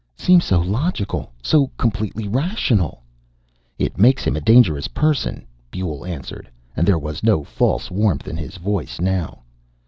" seems so logical, so completely rational." "It makes him a dangerous person," Buehl answered, and there was no false warmth in his voice now.